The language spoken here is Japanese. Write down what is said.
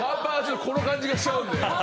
この感じがしちゃうんで。